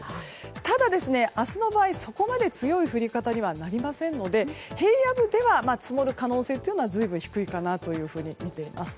ただ、明日の場合そこまで強い降り方にはなりませんので、平野部では積もる可能性というのは随分、低いとみています。